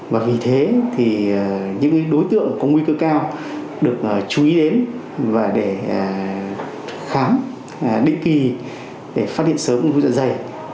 và vì thế thì những đối tượng có nguy cơ cao được chú ý đến và để khám định kỳ để phát hiện sớm ung thư dạ dày